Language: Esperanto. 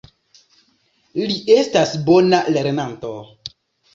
Li estas bona lernanto.